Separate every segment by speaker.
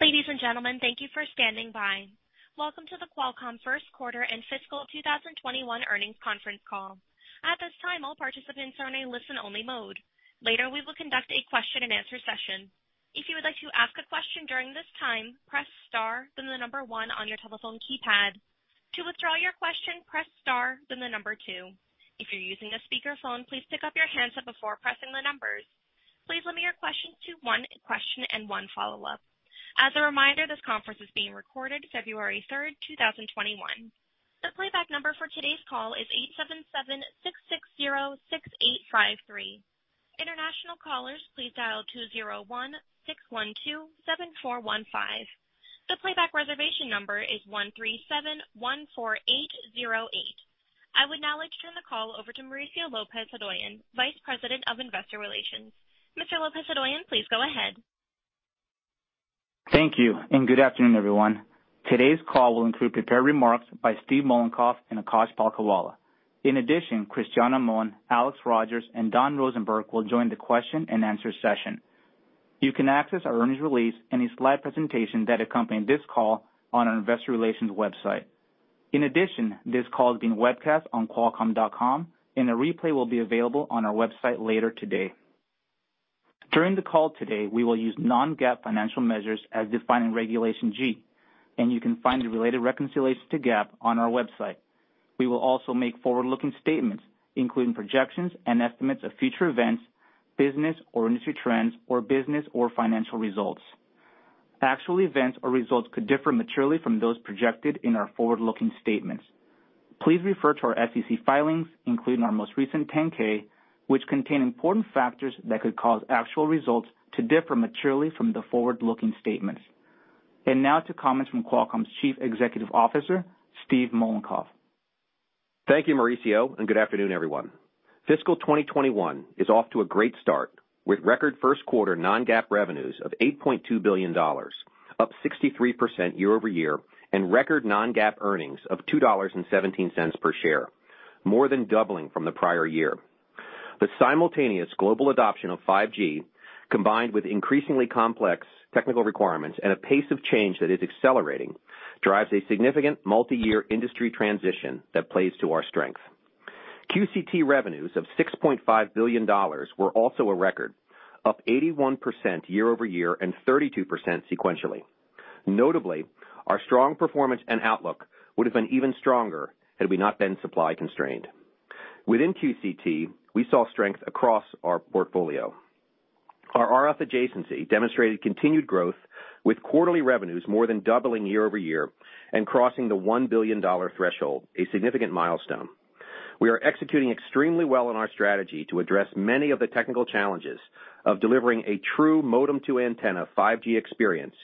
Speaker 1: Ladies and gentlemen, thank you for standing by. Welcome to the Qualcomm First Quarter and Fiscal 2021 Earnings Conference Call. At this time, all participants are in a listen-only mode. Later, we will conduct a question-and-answer session. If you would like to ask a question during this time, press star then the number one on your telephone keypad. To withdraw your question, press star then the number two. If you're using a speakerphone, please pick up your handset before pressing the numbers. Please limit your questions to one question and one follow-up. As a reminder, this conference is being recorded February 3rd, 2021. The playback number for today's call is 877-660-6853. International callers, please dial 201-612-7415. The playback reservation number is 13714808. I would now like to turn the call over to Mauricio Lopez-Hodoyan, Vice President of Investor Relations. Mr. Lopez-Hodoyan, please go ahead.
Speaker 2: Thank you. Good afternoon, everyone. Today's call will include prepared remarks by Steve Mollenkopf and Akash Palkhiwala. In addition, Cristiano Amon, Alex Rogers, and Don Rosenberg will join the question-and-answer session. You can access our earnings release and the slide presentation that accompany this call on our investor relations website. In addition, this call is being webcast on qualcomm.com, and a replay will be available on our website later today. During the call today, we will use non-GAAP financial measures as defined in Regulation G, and you can find the related reconciliation to GAAP on our website. We will also make forward-looking statements, including projections and estimates of future events, business or industry trends, or business or financial results. Actual events or results could differ materially from those projected in our forward-looking statements. Please refer to our SEC filings, including our most recent 10-K, which contain important factors that could cause actual results to differ materially from the forward-looking statements. Now to comments from Qualcomm's Chief Executive Officer, Steve Mollenkopf.
Speaker 3: Thank you, Mauricio, and good afternoon, everyone. Fiscal 2021 is off to a great start, with record first quarter non-GAAP revenues of $8.2 billion, up 63% year-over-year, and record non-GAAP earnings of $2.17 per share, more than doubling from the prior year. The simultaneous global adoption of 5G, combined with increasingly complex technical requirements and a pace of change that is accelerating, drives a significant multi-year industry transition that plays to our strength. QCT revenues of $6.5 billion were also a record, up 81% year-over-year and 32% sequentially. Notably, our strong performance and outlook would have been even stronger had we not been supply constrained. Within QCT, we saw strength across our portfolio. Our RF adjacency demonstrated continued growth, with quarterly revenues more than doubling year-over-year and crossing the $1 billion threshold, a significant milestone. We are executing extremely well on our strategy to address many of the technical challenges of delivering a true modem-to-antenna 5G experience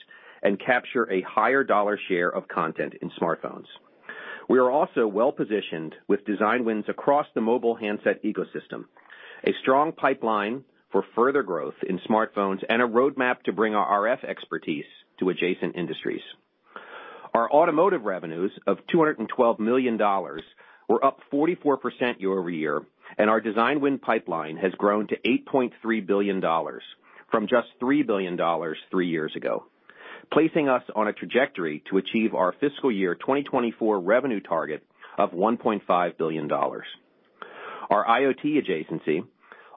Speaker 3: and capture a higher dollar share of content in smartphones. We are also well-positioned with design wins across the mobile handset ecosystem, a strong pipeline for further growth in smartphones, and a roadmap to bring our RF expertise to adjacent industries. Our automotive revenues of $212 million were up 44% year-over-year, and our design win pipeline has grown to $8.3 billion from just $3 billion three years ago, placing us on a trajectory to achieve our fiscal year 2024 revenue target of $1.5 billion. Our IoT adjacency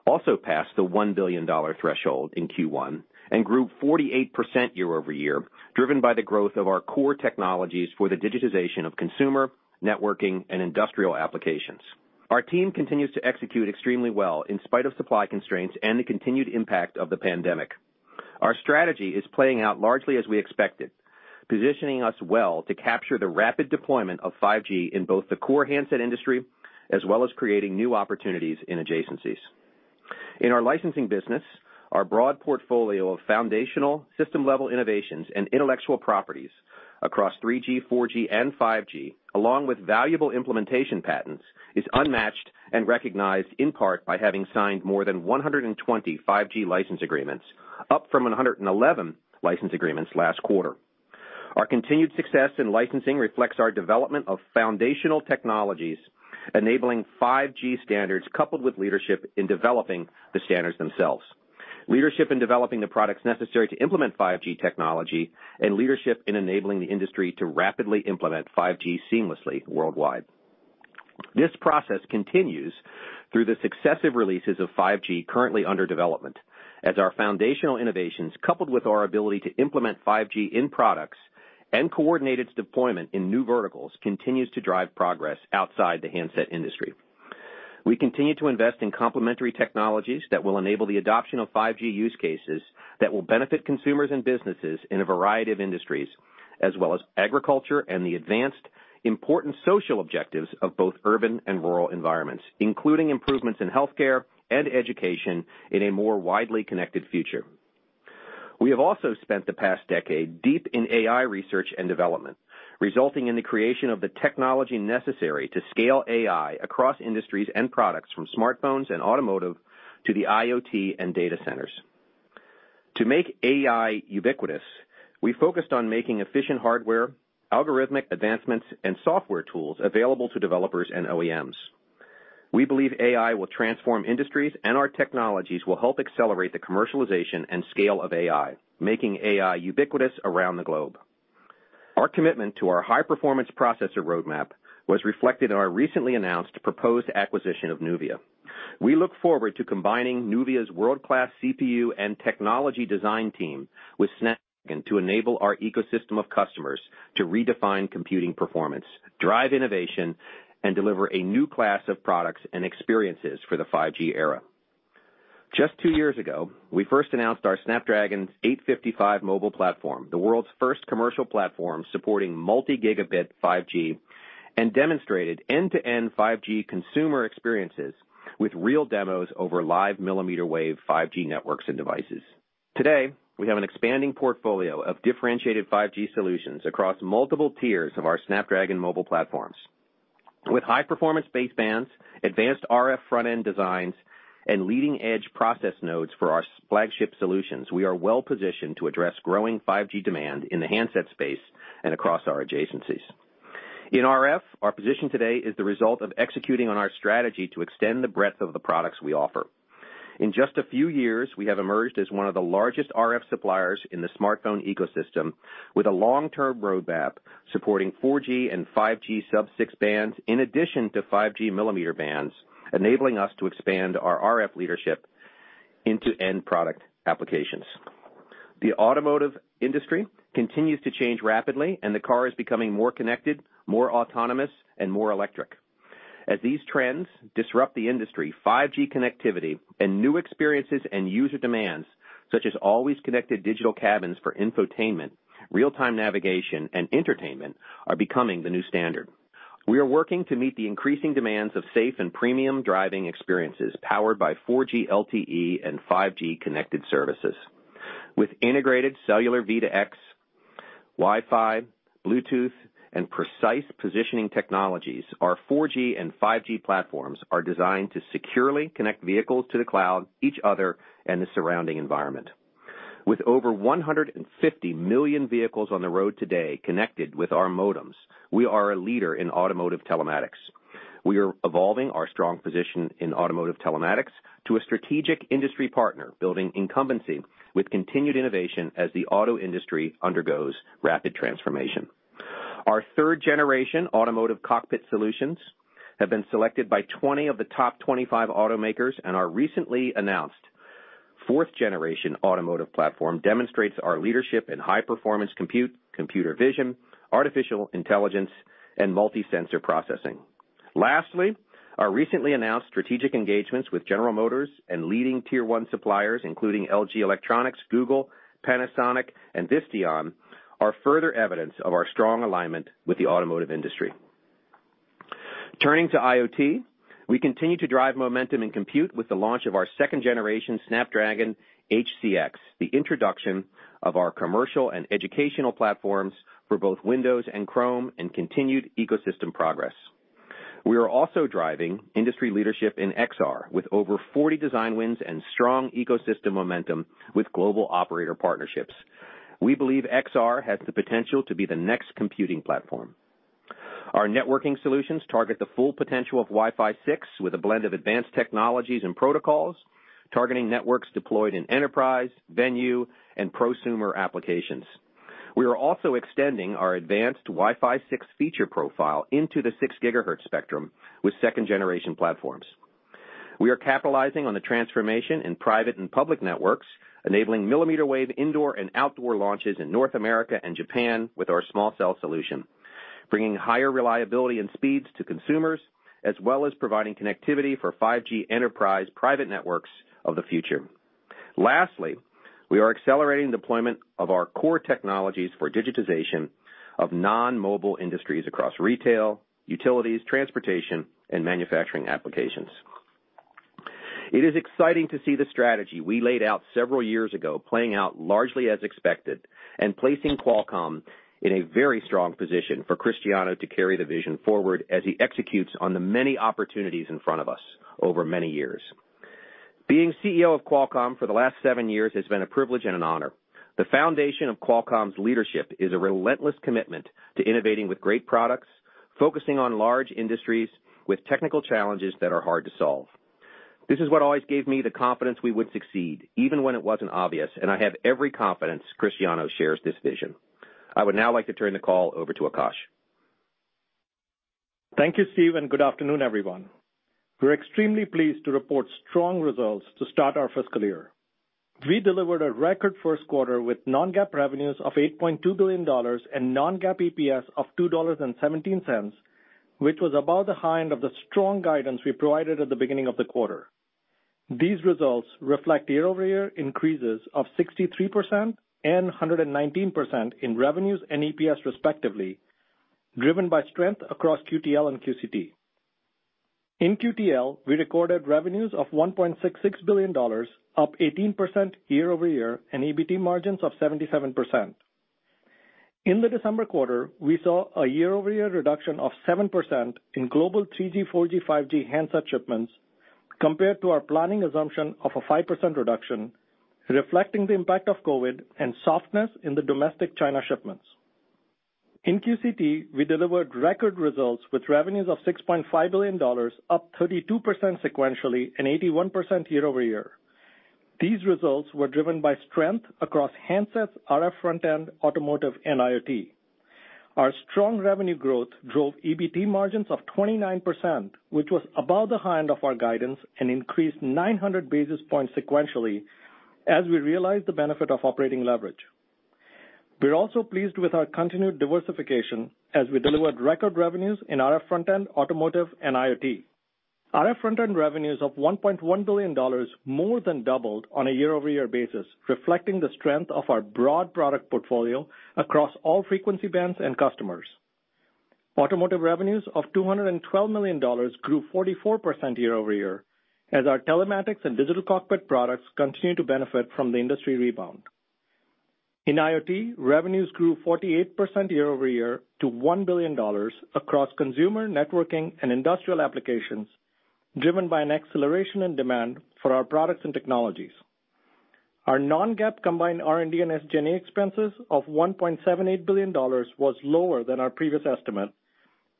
Speaker 3: also passed the $1 billion threshold in Q1 and grew 48% year-over-year, driven by the growth of our core technologies for the digitization of consumer, networking, and industrial applications. Our team continues to execute extremely well in spite of supply constraints and the continued impact of the pandemic. Our strategy is playing out largely as we expected, positioning us well to capture the rapid deployment of 5G in both the core handset industry as well as creating new opportunities in adjacencies. In our licensing business, our broad portfolio of foundational system-level innovations and intellectual properties across 3G, 4G, and 5G, along with valuable implementation patents, is unmatched and recognized in part by having signed more than 120 5G license agreements, up from 111 license agreements last quarter. Our continued success in licensing reflects our development of foundational technologies enabling 5G standards, coupled with leadership in developing the standards themselves, leadership in developing the products necessary to implement 5G technology, and leadership in enabling the industry to rapidly implement 5G seamlessly worldwide. This process continues through the successive releases of 5G currently under development, as our foundational innovations, coupled with our ability to implement 5G in products and coordinate its deployment in new verticals, continues to drive progress outside the handset industry. We continue to invest in complementary technologies that will enable the adoption of 5G use cases that will benefit consumers and businesses in a variety of industries, as well as agriculture and the advanced important social objectives of both urban and rural environments, including improvements in healthcare and education in a more widely connected future. We have also spent the past decade deep in AI research and development, resulting in the creation of the technology necessary to scale AI across industries and products from smartphones and automotive to the IoT and data centers. To make AI ubiquitous, we focused on making efficient hardware, algorithmic advancements, and software tools available to developers and OEMs. We believe AI will transform industries, and our technologies will help accelerate the commercialization and scale of AI, making AI ubiquitous around the globe. Our commitment to our high-performance processor roadmap was reflected in our recently announced proposed acquisition of NUVIA. We look forward to combining NUVIA's world-class CPU and technology design team with Snapdragon to enable our ecosystem of customers to redefine computing performance, drive innovation, and deliver a new class of products and experiences for the 5G era. Just two years ago, we first announced our Snapdragon 855 mobile platform, the world's first commercial platform supporting multi-gigabit 5G, and demonstrated end-to-end 5G consumer experiences with real demos over live millimeter wave 5G networks and devices. Today, we have an expanding portfolio of differentiated 5G solutions across multiple tiers of our Snapdragon mobile platforms. With high-performance basebands, advanced RF front-end designs, and leading-edge process nodes for our flagship solutions, we are well-positioned to address growing 5G demand in the handset space and across our adjacencies. In RF, our position today is the result of executing on our strategy to extend the breadth of the products we offer. In just a few years, we have emerged as one of the largest RF suppliers in the smartphone ecosystem with a long-term roadmap supporting 4G and 5G sub-6 bands in addition to 5G millimeter bands, enabling us to expand our RF leadership into end product applications. The automotive industry continues to change rapidly, and the car is becoming more connected, more autonomous, and more electric. As these trends disrupt the industry, 5G connectivity and new experiences and user demands, such as always connected digital cabins for infotainment, real-time navigation, and entertainment, are becoming the new standard. We are working to meet the increasing demands of safe and premium driving experiences powered by 4G LTE and 5G connected services. With integrated cellular V2X, Wi-Fi, Bluetooth, and precise positioning technologies, our 4G and 5G platforms are designed to securely connect vehicles to the cloud, each other, and the surrounding environment. With over 150 million vehicles on the road today connected with our modems, we are a leader in automotive telematics. We are evolving our strong position in automotive telematics to a strategic industry partner, building incumbency with continued innovation as the auto industry undergoes rapid transformation. Our third-generation automotive cockpit solutions have been selected by 20 of the top 25 automakers and our recently announced fourth-generation automotive platform demonstrates our leadership in high-performance compute, computer vision, artificial intelligence, and multi-sensor processing. Lastly, our recently announced strategic engagements with General Motors and leading tier 1 suppliers, including LG Electronics, Google, Panasonic, and Visteon, are further evidence of our strong alignment with the automotive industry. Turning to IoT, we continue to drive momentum in compute with the launch of our second-generation Snapdragon 8cx, the introduction of our commercial and educational platforms for both Windows and Chrome, and continued ecosystem progress. We are also driving industry leadership in XR, with over 40 design wins and strong ecosystem momentum with global operator partnerships. We believe XR has the potential to be the next computing platform. Our networking solutions target the full potential of Wi-Fi 6 with a blend of advanced technologies and protocols, targeting networks deployed in enterprise, venue, and prosumer applications. We are also extending our advanced Wi-Fi 6 feature profile into the 6 GHz spectrum with second-generation platforms. We are capitalizing on the transformation in private and public networks, enabling millimeter wave indoor and outdoor launches in North America and Japan with our small cell solution, bringing higher reliability and speeds to consumers, as well as providing connectivity for 5G enterprise private networks of the future. Lastly, we are accelerating deployment of our core technologies for digitization of non-mobile industries across retail, utilities, transportation, and manufacturing applications. It is exciting to see the strategy we laid out several years ago playing out largely as expected and placing Qualcomm in a very strong position for Cristiano to carry the vision forward as he executes on the many opportunities in front of us over many years. Being CEO of Qualcomm for the last seven years has been a privilege and an honor. The foundation of Qualcomm's leadership is a relentless commitment to innovating with great products, focusing on large industries with technical challenges that are hard to solve. This is what always gave me the confidence we would succeed, even when it wasn't obvious, and I have every confidence Cristiano shares this vision. I would now like to turn the call over to Akash.
Speaker 4: Thank you, Steve, and good afternoon, everyone. We're extremely pleased to report strong results to start our fiscal year. We delivered a record first quarter with non-GAAP revenues of $8.2 billion and non-GAAP EPS of $2.17, which was above the high end of the strong guidance we provided at the beginning of the quarter. These results reflect year-over-year increases of 63% and 119% in revenues and EPS respectively, driven by strength across QTL and QCT. In QTL, we recorded revenues of $1.66 billion, up 18% year-over-year, and EBT margins of 77%. In the December quarter, we saw a year-over-year reduction of 7% in global 3G, 4G, 5G handset shipments compared to our planning assumption of a 5% reduction, reflecting the impact of COVID and softness in the domestic China shipments. In QCT, we delivered record results with revenues of $6.5 billion, up 32% sequentially and 81% year-over-year. These results were driven by strength across handsets, RF front-end, automotive, and IoT. Our strong revenue growth drove EBT margins of 29%, which was above the high end of our guidance, and increased 900 basis points sequentially as we realized the benefit of operating leverage. We are also pleased with our continued diversification as we delivered record revenues in RF front-end, automotive, and IoT. RF front-end revenues of $1.1 billion more than doubled on a year-over-year basis, reflecting the strength of our broad product portfolio across all frequency bands and customers. Automotive revenues of $212 million grew 44% year-over-year, as our telematics and digital cockpit products continue to benefit from the industry rebound. In IoT, revenues grew 48% year-over-year to $1 billion across consumer, networking, and industrial applications, driven by an acceleration in demand for our products and technologies. Our non-GAAP combined R&D and SG&A expenses of $1.78 billion was lower than our previous estimate,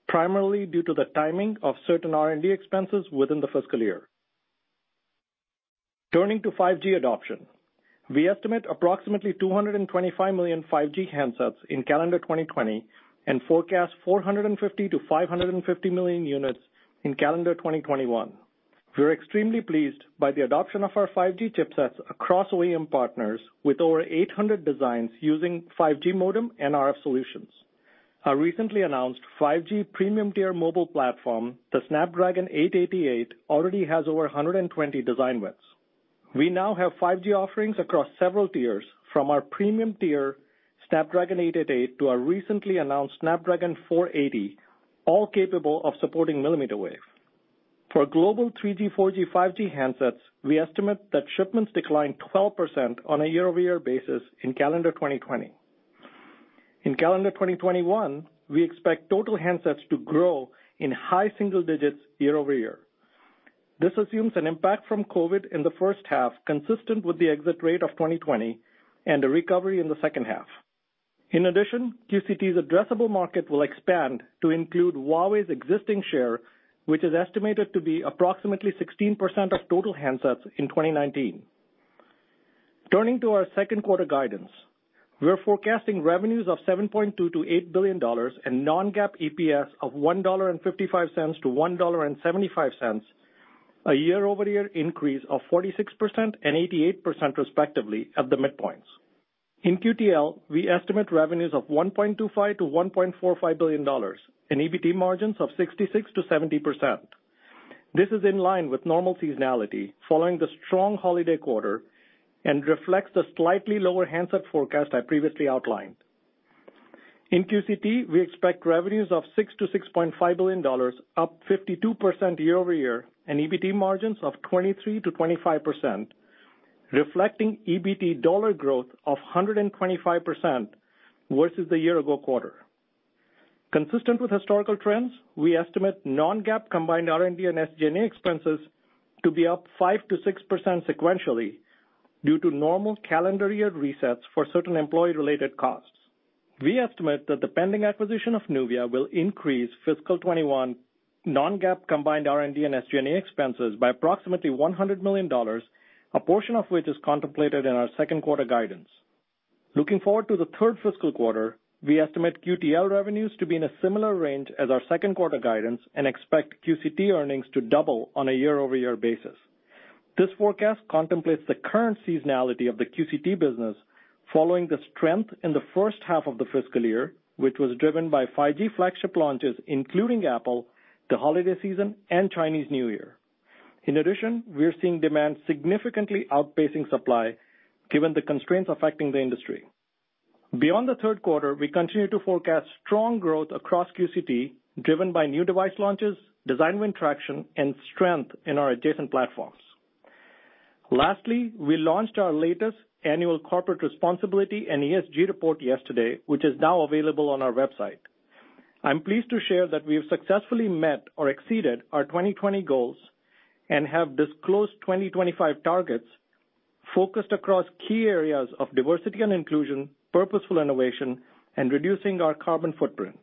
Speaker 4: primarily due to the timing of certain R&D expenses within the fiscal year. Turning to 5G adoption. We estimate approximately 225 million 5G handsets in calendar 2020 and forecast 450 million-550 million units in calendar 2021. We are extremely pleased by the adoption of our 5G chipsets across OEM partners with over 800 designs using 5G modem and RF solutions. Our recently announced 5G premium tier mobile platform, the Snapdragon 888, already has over 120 design wins. We now have 5G offerings across several tiers, from our premium tier Snapdragon 888 to our recently announced Snapdragon 480, all capable of supporting millimeter wave. For global 3G, 4G, 5G handsets, we estimate that shipments declined 12% on a year-over-year basis in calendar 2020. In calendar 2021, we expect total handsets to grow in high single digits year-over-year. This assumes an impact from COVID in the first half, consistent with the exit rate of 2020, and a recovery in the second half. In addition, QCT's addressable market will expand to include Huawei's existing share, which is estimated to be approximately 16% of total handsets in 2019. Turning to our second quarter guidance. We are forecasting revenues of $7.2 billion-$8 billion and non-GAAP EPS of $1.55-$1.75, a year-over-year increase of 46% and 88% respectively at the midpoints. In QTL, we estimate revenues of $1.25 billion-$1.45 billion and EBT margins of 66%-70%. This is in line with normal seasonality following the strong holiday quarter and reflects the slightly lower handset forecast I previously outlined. In QCT, we expect revenues of $6 billion-$6.5 billion, up 52% year-over-year, and EBT margins of 23%-25%, reflecting EBT dollar growth of 125% versus the year ago quarter. Consistent with historical trends, we estimate non-GAAP combined R&D and SG&A expenses to be up 5%-6% sequentially due to normal calendar year resets for certain employee-related costs. We estimate that the pending acquisition of NUVIA will increase fiscal 2021 non-GAAP combined R&D and SG&A expenses by approximately $100 million, a portion of which is contemplated in our second quarter guidance. Looking forward to the third fiscal quarter, we estimate QTL revenues to be in a similar range as our second quarter guidance and expect QCT earnings to double on a year-over-year basis. This forecast contemplates the current seasonality of the QCT business following the strength in the first half of the fiscal year, which was driven by 5G flagship launches, including Apple, the holiday season, and Chinese New Year. We are seeing demand significantly outpacing supply given the constraints affecting the industry. Beyond the third quarter, we continue to forecast strong growth across QCT, driven by new device launches, design win traction, and strength in our adjacent platforms. We launched our latest annual corporate responsibility and ESG report yesterday, which is now available on our website. I'm pleased to share that we've successfully met or exceeded our 2020 goals and have disclosed 2025 targets focused across key areas of diversity and inclusion, purposeful innovation, and reducing our carbon footprint.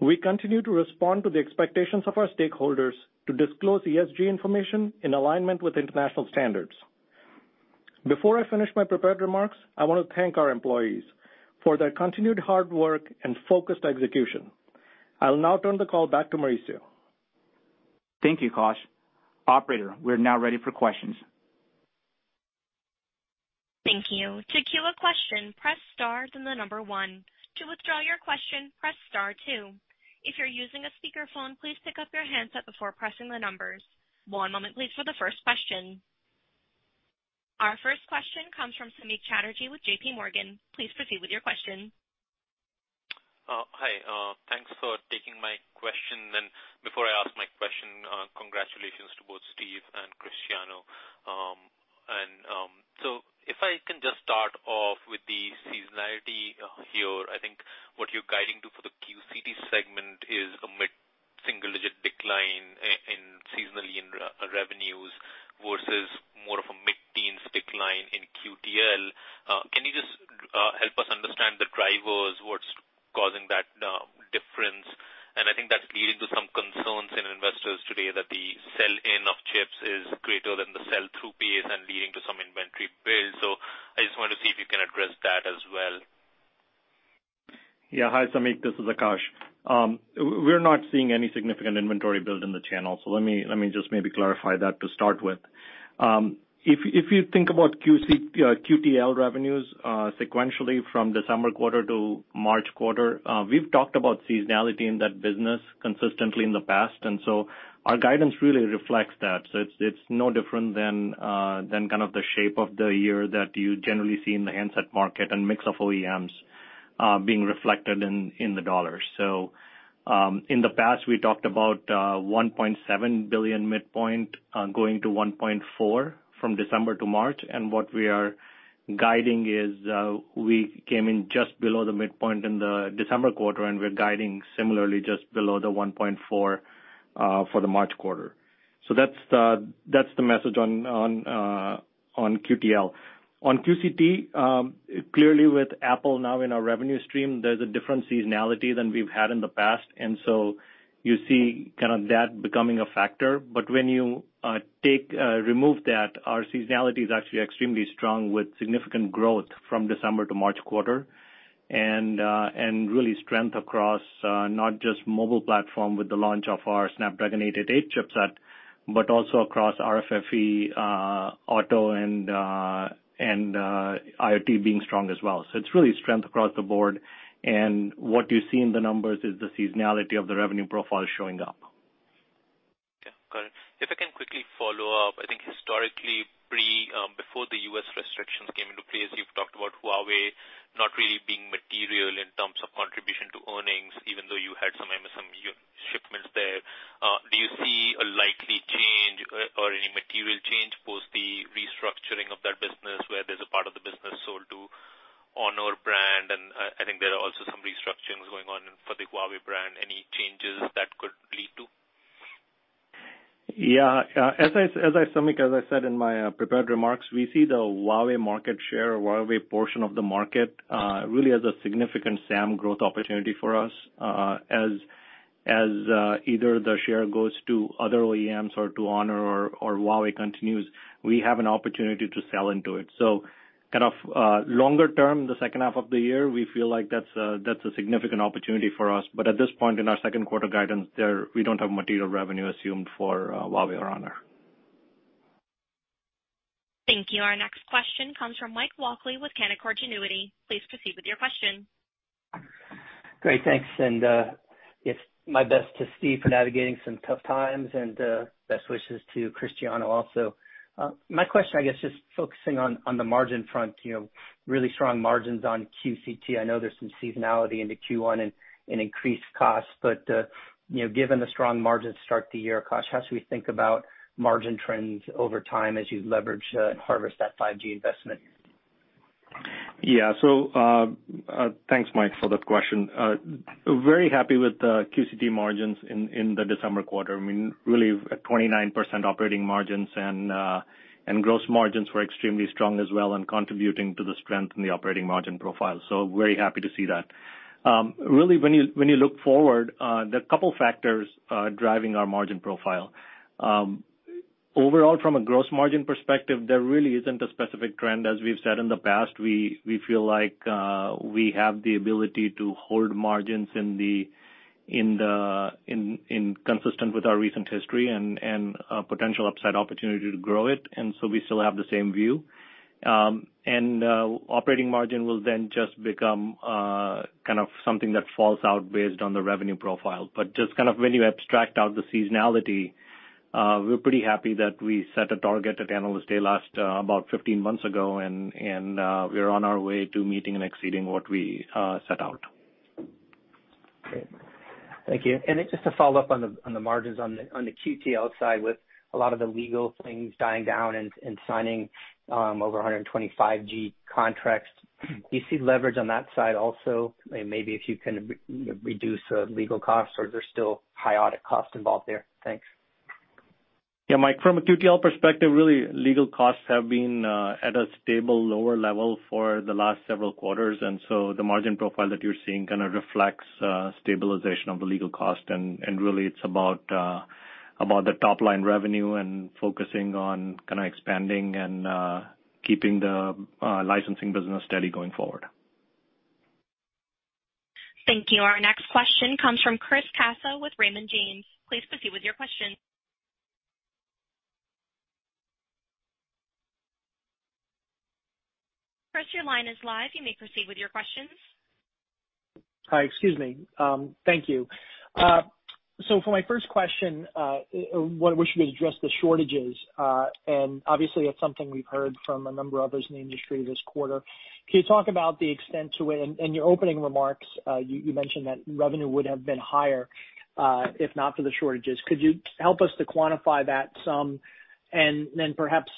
Speaker 4: We continue to respond to the expectations of our stakeholders to disclose ESG information in alignment with international standards. Before I finish my prepared remarks, I want to thank our employees for their continued hard work and focused execution. I will now turn the call back to Mauricio.
Speaker 2: Thank you, Akash. Operator, we are now ready for questions.
Speaker 1: Thank you. To queue the question, press star then the number one. To withdraw your question press star two. If you're using a speakerphone please pick up your handset before pressing the numbers. One moment please for the first question. Our first question comes from Samik Chatterjee with JPMorgan. Please proceed with your question.
Speaker 5: Hi. Thanks for taking my question. Before I ask my question, congratulations to both Steve and Cristiano. If I can just start off with the seasonality here, I think what you're guiding to for the QCT segment is a mid-single-digit decline in seasonally in revenues versus more of a mid-teens decline in QTL. Can you just help us understand the drivers, what's causing that difference? I think that's leading to some concerns in investors today that the sell-in of chips is greater than the sell-through pace and leading to some inventory build. I just wanted to see if you can address that as well.
Speaker 4: Hi, Samik, this is Akash. We're not seeing any significant inventory build in the channel, let me just maybe clarify that to start with. If you think about QTL revenues sequentially from December quarter to March quarter, we've talked about seasonality in that business consistently in the past, our guidance really reflects that. It's no different than kind of the shape of the year that you generally see in the handset market and mix of OEMs being reflected in the dollar. In the past, we talked about $1.7 billion midpoint going to $1.4 billion from December to March, what we are guiding is we came in just below the midpoint in the December quarter, we're guiding similarly just below the $1.4billion for the March quarter. That's the message on QTL. On QCT, clearly with Apple now in our revenue stream, there's a different seasonality than we've had in the past, and so you see kind of that becoming a factor. When you remove that, our seasonality is actually extremely strong with significant growth from December to March quarter, and really strength across not just mobile platform with the launch of our Snapdragon 888 chipset, but also across RFFE, auto, and IoT being strong as well. It's really strength across the board, and what you see in the numbers is the seasonality of the revenue profile showing up.
Speaker 5: Got it. If I can quickly follow up, I think historically, before the U.S. restrictions came into place, you've talked about Huawei not really being material in terms of contribution to earnings, even though you had some MSM shipments there. Do you see a likely change or any material change post the restructuring of that business, where there's a part of the business sold to Honor brand, and I think there are also some restructurings going on for the Huawei brand. Any changes that could lead to?
Speaker 4: Yeah. Samik, as I said in my prepared remarks, we see the Huawei market share or Huawei portion of the market really as a significant SAM growth opportunity for us. As either the share goes to other OEMs or to Honor or Huawei continues, we have an opportunity to sell into it. Kind of longer term, the second half of the year, we feel like that's a significant opportunity for us, but at this point in our second quarter guidance, we don't have material revenue assumed for Huawei or Honor.
Speaker 1: Thank you. Our next question comes from Mike Walkley with Canaccord Genuity. Please proceed with your question.
Speaker 6: Great. Thanks, and my best to Steve for navigating some tough times, and best wishes to Cristiano also. My question, I guess, just focusing on the margin front, really strong margins on QCT. I know there's some seasonality into Q1 and increased costs, but given the strong margin to start the year, Akash, how should we think about margin trends over time as you leverage and harvest that 5G investment?
Speaker 4: Yeah. Thanks, Mike, for the question. Very happy with the QCT margins in the December quarter. I mean, really at 29% operating margins, gross margins were extremely strong as well and contributing to the strength in the operating margin profile. Very happy to see that. Really, when you look forward, there are a couple factors driving our margin profile. Overall, from a gross margin perspective, there really isn't a specific trend. As we've said in the past, we feel like we have the ability to hold margins consistent with our recent history and a potential upside opportunity to grow it, we still have the same view. Operating margin will then just become kind of something that falls out based on the revenue profile. Just kind of when you abstract out the seasonality, we're pretty happy that we set a target at Analyst Day about 15 months ago, and we're on our way to meeting and exceeding what we set out.
Speaker 6: Great. Thank you. Just to follow up on the margins on the QTL side, with a lot of the legal things dying down and signing over 125 5G contracts, do you see leverage on that side also? Maybe if you can reduce legal costs or is there still high audit costs involved there? Thanks.
Speaker 4: Yeah, Mike, from a QTL perspective, really legal costs have been at a stable lower level for the last several quarters. The margin profile that you're seeing kind of reflects stabilization of the legal cost. Really it's about the top-line revenue and focusing on kind of expanding and keeping the licensing business steady going forward.
Speaker 1: Thank you. Our next question comes from Chris Caso with Raymond James. Please proceed with your question. Chris, your line is live. You may proceed with your questions.
Speaker 7: Hi. Excuse me. Thank you. For my first question, I wish you would address the shortages. Obviously that's something we've heard from a number of others in the industry this quarter. Can you talk about the extent to it? In your opening remarks, you mentioned that revenue would have been higher if not for the shortages. Could you help us to quantify that some. Then perhaps,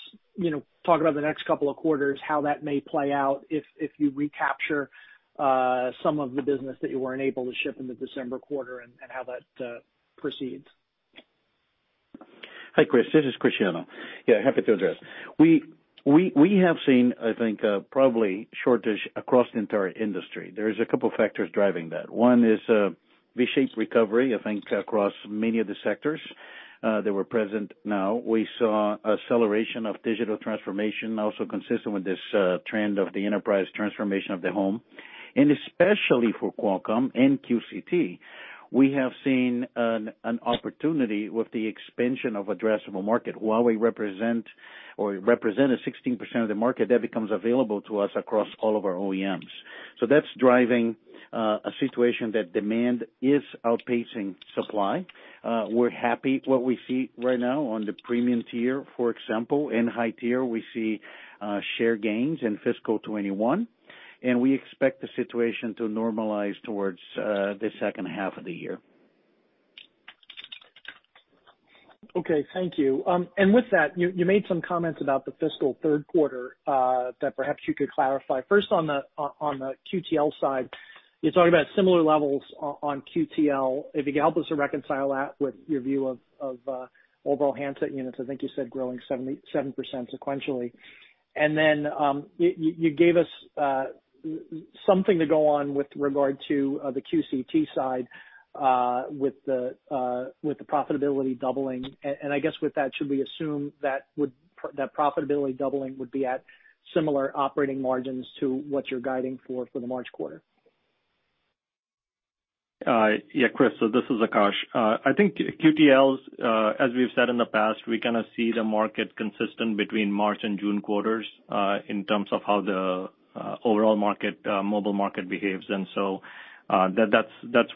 Speaker 7: talk about the next couple of quarters, how that may play out if you recapture some of the business that you weren't able to ship in the December quarter and how that proceeds.
Speaker 8: Hi, Chris, this is Cristiano. Yeah, happy to address. We have seen, I think, probably shortage across the entire industry. There is a couple factors driving that. One is a V-shaped recovery, I think, across many of the sectors that were present now. We saw acceleration of digital transformation, also consistent with this trend of the enterprise transformation of the home, and especially for Qualcomm and QCT, we have seen an opportunity with the expansion of addressable market. Huawei represent or represented 16% of the market that becomes available to us across all of our OEMs. That's driving a situation that demand is outpacing supply. We're happy what we see right now on the premium tier, for example, and high tier, we see share gains in fiscal 2021. We expect the situation to normalize towards the second half of the year.
Speaker 7: Okay. Thank you. With that, you made some comments about the fiscal third quarter, that perhaps you could clarify. First on the QTL side, you talk about similar levels on QTL. If you could help us to reconcile that with your view of overall handset units, I think you said growing 7% sequentially. Then, you gave us something to go on with regard to the QCT side, with the profitability doubling. I guess with that, should we assume that profitability doubling would be at similar operating margins to what you're guiding for the March quarter?
Speaker 4: Chris, this is Akash. I think QTLs, as we've said in the past, we kind of see the market consistent between March and June quarters, in terms of how the overall mobile market behaves. That's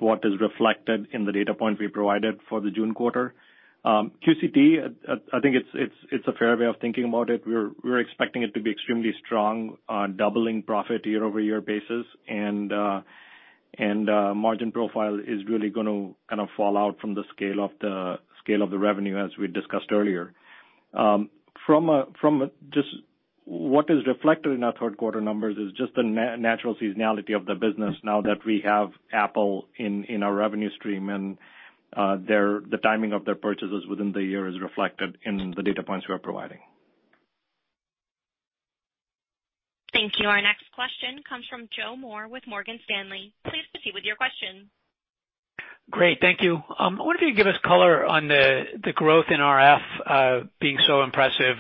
Speaker 4: what is reflected in the data point we provided for the June quarter. QCT, I think it's a fair way of thinking about it. We're expecting it to be extremely strong on doubling profit year-over-year basis. Margin profile is really going to kind of fall out from the scale of the revenue as we discussed earlier. From just what is reflected in our third quarter numbers is just the natural seasonality of the business now that we have Apple in our revenue stream and the timing of their purchases within the year is reflected in the data points we're providing.
Speaker 1: Thank you. Our next question comes from Joe Moore with Morgan Stanley. Please proceed with your question.
Speaker 9: Great. Thank you. I wonder if you could give us color on the growth in RF, being so impressive.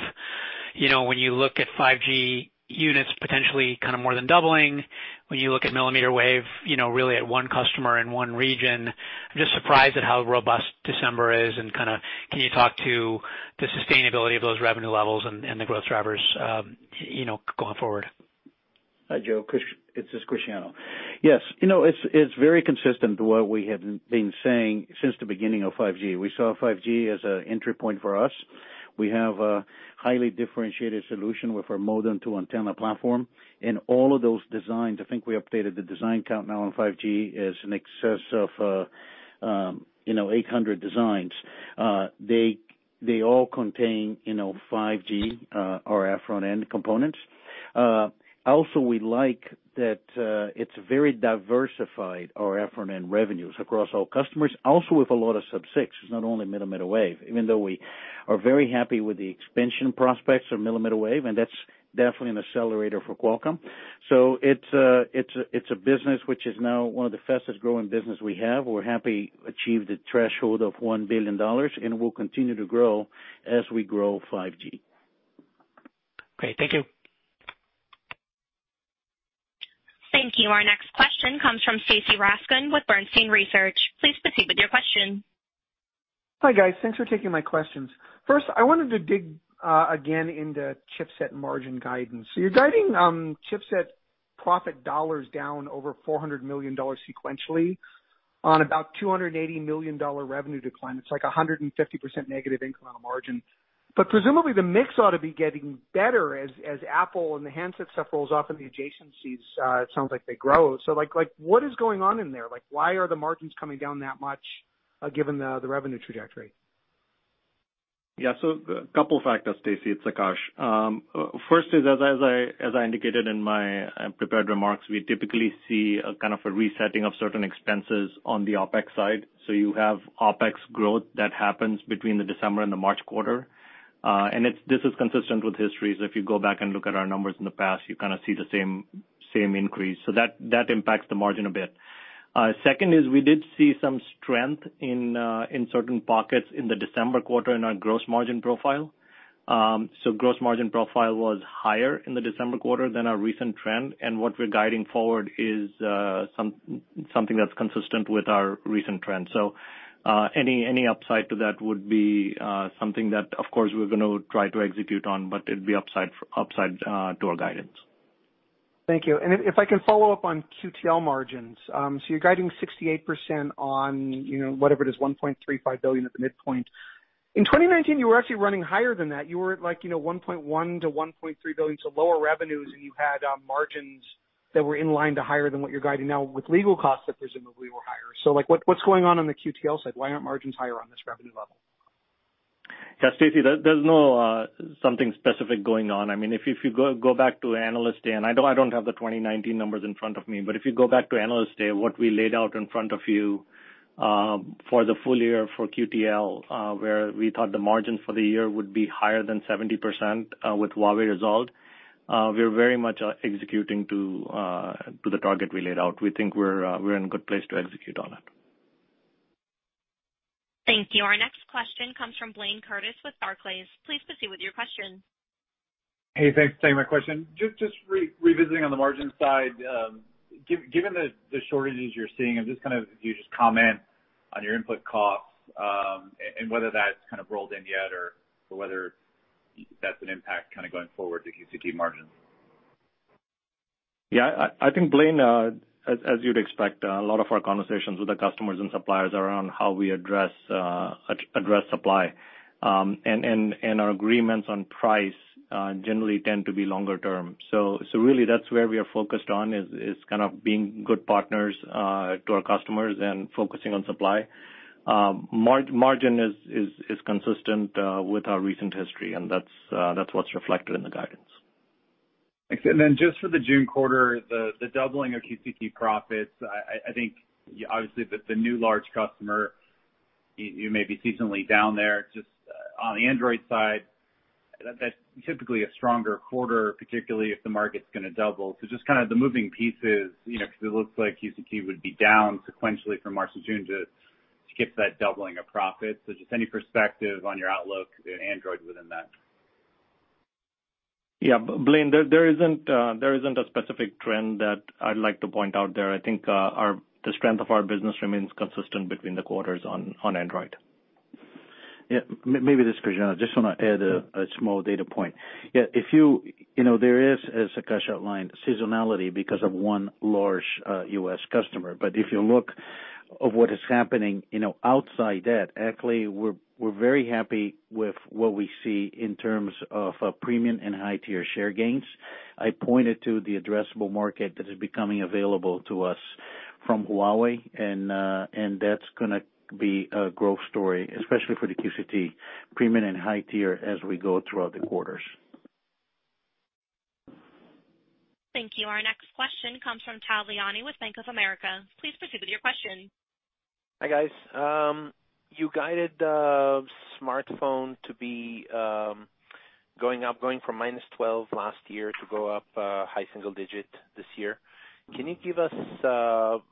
Speaker 9: When you look at 5G units potentially more than doubling, when you look at millimeter wave, really at one customer in one region, I'm just surprised at how robust December is and can you talk to the sustainability of those revenue levels and the growth drivers going forward?
Speaker 8: Hi, Joe. It's Cristiano. Yes. It's very consistent to what we have been saying since the beginning of 5G. We saw 5G as an entry point for us. We have a highly differentiated solution with our modem-to-antenna platform and all of those designs, I think we updated the design count now on 5G is in excess of 800 designs. They all contain 5G, RF front-end components. Also, we like that it's very diversified our RF front-end revenues across all customers. Also, with a lot of sub-6, it's not only millimeter wave, even though we are very happy with the expansion prospects of millimeter wave, and that's definitely an accelerator for Qualcomm. It's a business which is now one of the fastest-growing business we have. We're happy achieve the threshold of $1 billion and will continue to grow as we grow 5G.
Speaker 9: Great. Thank you.
Speaker 1: Thank you. Our next question comes from Stacy Rasgon with Bernstein Research. Please proceed with your question.
Speaker 10: Hi, guys. Thanks for taking my questions. First, I wanted to dig, again, into chipset margin guidance. You're guiding chipset profit dollars down over $400 million sequentially on about $280 million revenue decline. It's like 150% negative incremental margin. Presumably the mix ought to be getting better as Apple and the handset stuff rolls off and the adjacencies, it sounds like they grow. What is going on in there? Why are the margins coming down that much, given the revenue trajectory?
Speaker 4: A couple of factors, Stacy. It's Akash. First is, as I indicated in my prepared remarks, we typically see a kind of a resetting of certain expenses on the OpEx side. You have OpEx growth that happens between the December and the March quarter. This is consistent with history, if you go back and look at our numbers in the past, you kind of see the same increase. That impacts the margin a bit. Second is we did see some strength in certain pockets in the December quarter in our gross margin profile. Gross margin profile was higher in the December quarter than our recent trend, and what we're guiding forward is something that's consistent with our recent trends. Any upside to that would be something that, of course, we're going to try to execute on, but it'd be upside to our guidance.
Speaker 10: Thank you. If I can follow up on QTL margins. You're guiding 68% on whatever it is, $1.35 billion at the midpoint. In 2019, you were actually running higher than that. You were at like $1.1 billion-$1.3 billion, so lower revenues, and you had margins. That were in line to higher than what you're guiding now with legal costs that presumably were higher. What's going on the QTL side? Why aren't margins higher on this revenue level?
Speaker 4: Yeah, Stacy, there's no something specific going on. If you go back to Analyst Day, I don't have the 2019 numbers in front of me, but if you go back to Analyst Day, what we laid out in front of you for the full year for QTL, where we thought the margin for the year would be higher than 70% with Huawei resolved, we're very much executing to the target we laid out. We think we're in a good place to execute on it.
Speaker 1: Thank you. Our next question comes from Blayne Curtis with Barclays. Please proceed with your question.
Speaker 11: Hey, thanks for taking my question. Just revisiting on the margin side. Given the shortages you're seeing, and if you just comment on your input costs, and whether that's rolled in yet or whether that's an impact going forward to QCT margins.
Speaker 4: Yeah, I think, Blayne, as you'd expect, a lot of our conversations with the customers and suppliers are on how we address supply. Our agreements on price generally tend to be longer term. Really that's where we are focused on is kind of being good partners to our customers and focusing on supply. Margin is consistent with our recent history, and that's what's reflected in the guidance.
Speaker 11: Thanks. Just for the June quarter, the doubling of QCT profits, I think obviously with the new large customer, you may be seasonally down there. Just on the Android side, that's typically a stronger quarter, particularly if the market's going to double. Just the moving pieces, because it looks like QCT would be down sequentially from March to June to get that doubling of profits. Just any perspective on your outlook in Android within that?
Speaker 4: Yeah. Blayne, there isn't a specific trend that I'd like to point out there. I think the strength of our business remains consistent between the quarters on Android.
Speaker 8: Yeah. Maybe this is Cristiano. I just want to add a small data point. Yeah, there is, as Akash outlined, seasonality because of one large U.S. customer. If you look of what is happening outside that, actually, we're very happy with what we see in terms of premium and high-tier share gains. I pointed to the addressable market that is becoming available to us from Huawei, and that's going to be a growth story, especially for the QCT premium and high tier as we go throughout the quarters.
Speaker 1: Thank you. Our next question comes from Tal Liani with Bank of America. Please proceed with your question.
Speaker 12: Hi, guys. You guided smartphone to be going up, going from -12% last year to go up high single-digit this year. Can you give us a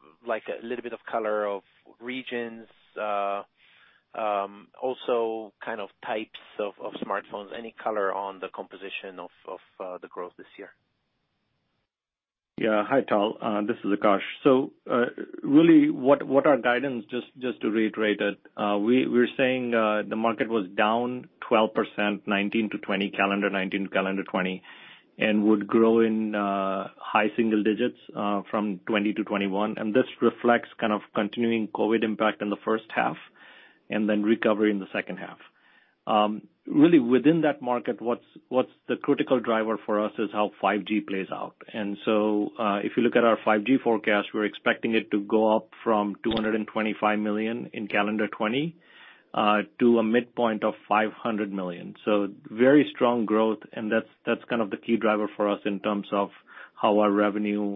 Speaker 12: little bit of color of regions, also types of smartphones, any color on the composition of the growth this year?
Speaker 4: Yeah. Hi, Tal. This is Akash. Really what our guidance, just to reiterate it, we're saying the market was down 12%, 2019 to 2020, calendar 2019 to calendar 2020, and would grow in high single digits from 2020 to 2021. This reflects continuing COVID impact in the first half, and then recovery in the second half. Really within that market, what's the critical driver for us is how 5G plays out. If you look at our 5G forecast, we're expecting it to go up from 225 million in calendar 2020 to a midpoint of 500 million. Very strong growth, and that's the key driver for us in terms of how our revenue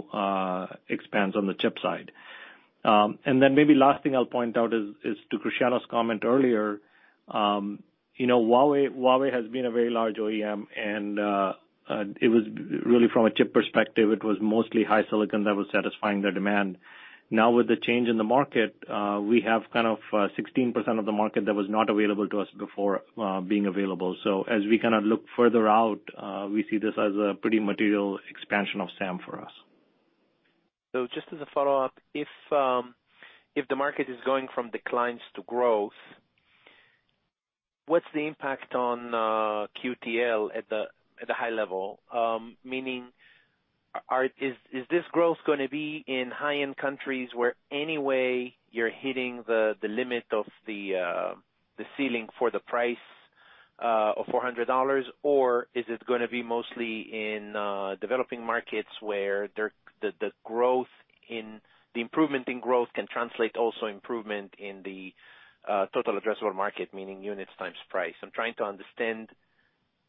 Speaker 4: expands on the chip side. Maybe last thing I'll point out is to Cristiano's comment earlier. Huawei has been a very large OEM. It was really from a chip perspective, it was mostly HiSilicon that was satisfying their demand. With the change in the market, we have 16% of the market that was not available to us before being available. As we look further out, we see this as a pretty material expansion of SAM for us.
Speaker 12: Just as a follow-up, if the market is going from declines to growth, what's the impact on QTL at the high level? Meaning, is this growth going to be in high-end countries where any way you're hitting the limit of the ceiling for the price of $400? Or is it going to be mostly in developing markets where the improvement in growth can translate also improvement in the total addressable market, meaning units times price? I'm trying to understand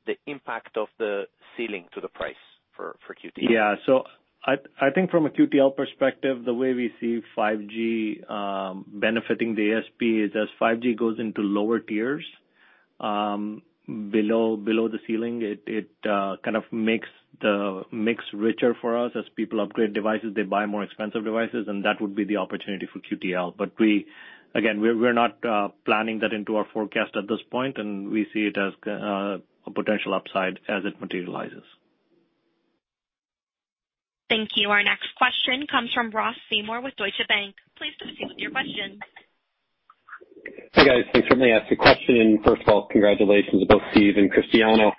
Speaker 12: the impact of the ceiling to the price for QTL.
Speaker 4: I think from a QTL perspective, the way we see 5G benefiting the ASP is as 5G goes into lower tiers below the ceiling, it kind of makes the mix richer for us. As people upgrade devices, they buy more expensive devices, and that would be the opportunity for QTL. Again, we're not planning that into our forecast at this point, and we see it as a potential upside as it materializes.
Speaker 1: Thank you. Our next question comes from Ross Seymore with Deutsche Bank. Please proceed with your question.
Speaker 13: Hi, guys. Thanks for letting me ask the question. Congratulations to both Steve and Cristiano.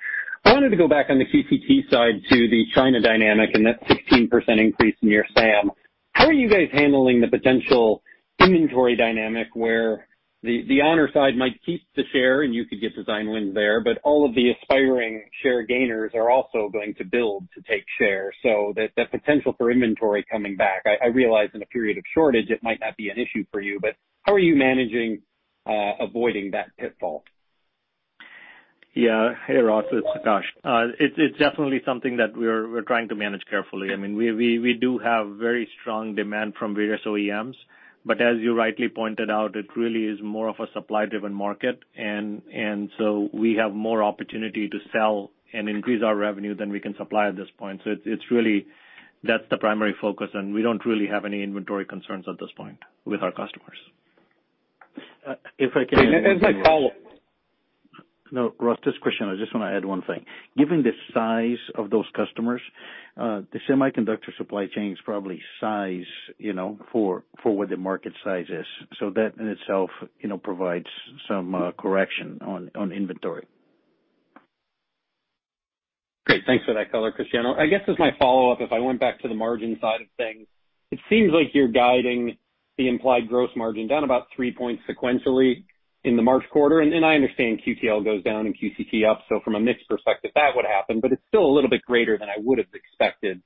Speaker 13: I wanted to go back on the QCT side to the China dynamic and that 16% increase in your SAM. How are you guys handling the potential inventory dynamic where the Honor side might keep the share and you could get design wins there, but all of the aspiring share gainers are also going to build to take share, so that potential for inventory coming back, I realize in a period of shortage, it might not be an issue for you, but how are you managing avoiding that pitfall?
Speaker 4: Yeah. Hey, Ross, it's Akash. It's definitely something that we're trying to manage carefully. We do have very strong demand from various OEMs, but as you rightly pointed out, it really is more of a supply-driven market, and so we have more opportunity to sell and increase our revenue than we can supply at this point. That's the primary focus, and we don't really have any inventory concerns at this point with our customers.
Speaker 8: If I could answer your question.
Speaker 13: As my follow-up.
Speaker 8: No, Ross, just a question, I just want to add one thing. Given the size of those customers, the semiconductor supply chain is probably size for what the market size is. That in itself provides some correction on inventory.
Speaker 13: Great. Thanks for that color, Cristiano. I guess as my follow-up, if I went back to the margin side of things, it seems like you're guiding the implied gross margin down about 3 points sequentially in the March quarter. I understand QTL goes down and QCT up, so from a mix perspective, that would happen, but it's still a little bit greater than I would have expected.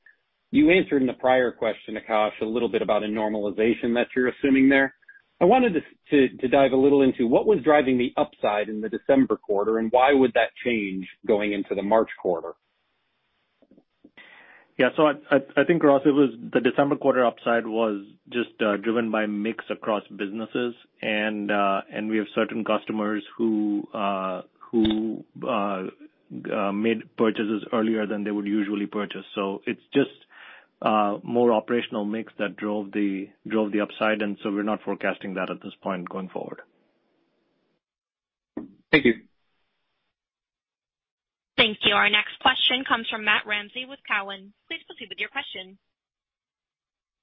Speaker 13: You answered in the prior question, Akash, a little bit about a normalization that you're assuming there. I wanted to dive a little into what was driving the upside in the December quarter, and why would that change going into the March quarter?
Speaker 4: Yeah. I think, Ross, it was the December quarter upside was just driven by mix across businesses and we have certain customers who made purchases earlier than they would usually purchase. It's just more operational mix that drove the upside. We're not forecasting that at this point going forward.
Speaker 13: Thank you.
Speaker 1: Thank you. Our next question comes from Matt Ramsay with Cowen. Please proceed with your question.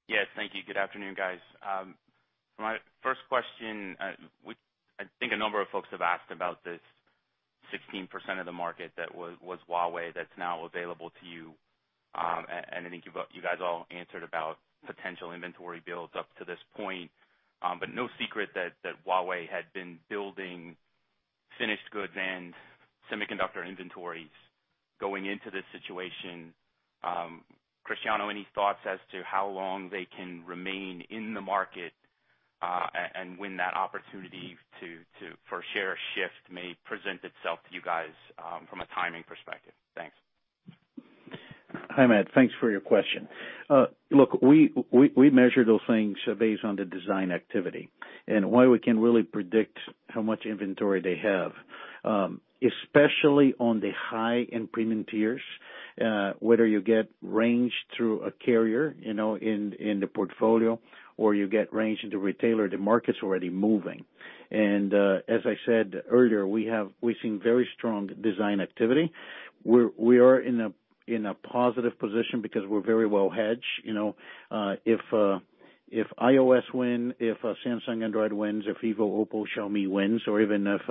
Speaker 14: Yes, thank you. Good afternoon, guys. My first question, I think a number of folks have asked about this 16% of the market that was Huawei that is now available to you, and I think you guys all answered about potential inventory builds up to this point. No secret that Huawei had been building finished goods and semiconductor inventories going into this situation. Cristiano, any thoughts as to how long they can remain in the market, and when that opportunity for share shift may present itself to you guys from a timing perspective? Thanks.
Speaker 8: Hi, Matt. Thanks for your question. Look, we measure those things based on the design activity and why we can really predict how much inventory they have, especially on the high-end premium tiers, whether you get range through a carrier in the portfolio or you get range into retailer, the market's already moving. As I said earlier, we've seen very strong design activity. We are in a positive position because we're very well hedged. If iOS win, if Samsung Android wins, if Vivo, OPPO, Xiaomi wins, or even if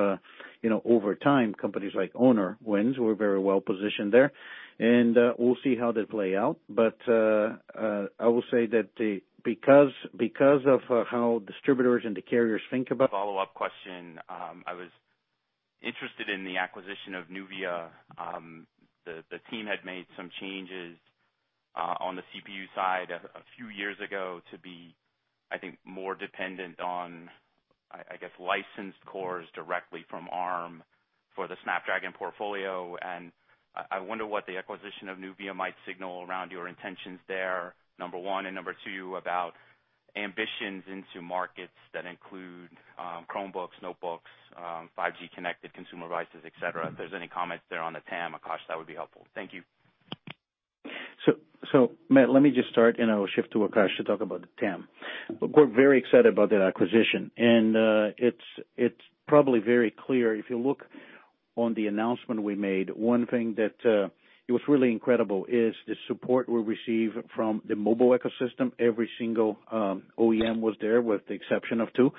Speaker 8: over time, companies like Honor wins, we're very well positioned there, and we'll see how that play out. I will say that because of how distributors and the carriers think about.
Speaker 14: Follow-up question. I was interested in the acquisition of NUVIA. The team had made some changes on the CPU side a few years ago to be, I think, more dependent on, I guess, licensed cores directly from Arm for the Snapdragon portfolio, and I wonder what the acquisition of NUVIA might signal around your intentions there, number one, and number two, about ambitions into markets that include Chromebooks, notebooks, 5G connected consumer devices, et cetera. If there's any comments there on the TAM, Akash, that would be helpful. Thank you.
Speaker 8: Matt, let me just start, and I will shift to Akash to talk about the TAM. Look, we're very excited about that acquisition, and it's probably very clear if you look on the announcement we made, one thing that it was really incredible is the support we receive from the mobile ecosystem. Every single OEM was there with the exception of two,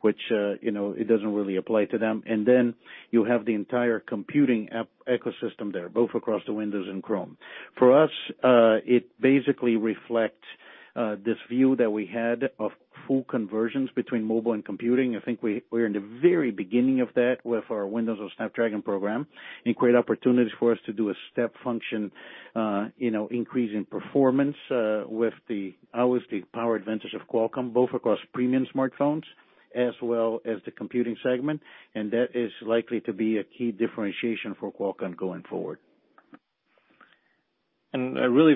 Speaker 8: which it doesn't really apply to them. You have the entire computing app ecosystem there, both across the Windows and Chrome. For us, it basically reflects this view that we had of full conversions between mobile and computing. I think we are in the very beginning of that with our Windows and Snapdragon program and create opportunities for us to do a step function increase in performance with the obviously power advantages of Qualcomm, both across premium smartphones as well as the computing segment. That is likely to be a key differentiation for Qualcomm going forward.
Speaker 4: Really